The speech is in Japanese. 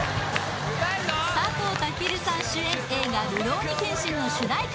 佐藤健さん主演映画「るろうに剣心」の主題歌